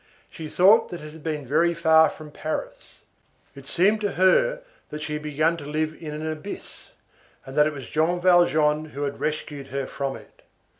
She thought that it had been very far from Paris. It seemed to her that she had begun to live in an abyss, and that it was Jean Valjean who had rescued her from it.